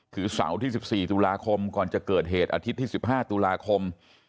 คือเสาร์ที่๑๔ตุลาคมก่อนจะเกิดเหตุอาทิตย์ที่๑๕ตุลาคม